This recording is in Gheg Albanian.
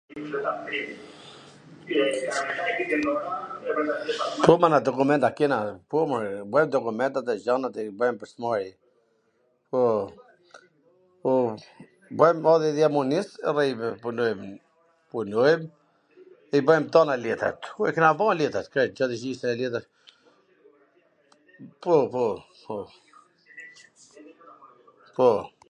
Po, mana, dokumenta kena, po more, bajm dokumentat e gjanat i bajm pwr s mari, po, po, marrim adhja dhjamonis, edhe ... punojm, punojm, i bwjm tana letrat, i kena ba letrat krejt, nw greqishten e vjetwr [???], po, po, po.